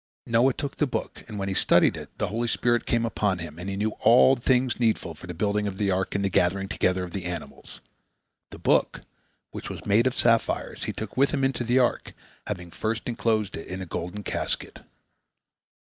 Noah took the book, and when he studied it, the holy spirit came upon him, and he knew all things needful for the building of the ark and the gathering together of the animals. The book, which was made of sapphires, he took with him into the ark, having first enclosed it in a golden casket.